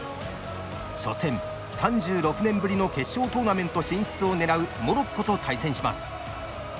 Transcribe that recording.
初戦３６年ぶりの決勝トーナメント進出を狙うモロッコと対戦します。